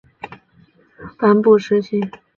从开禧四年颁布施行。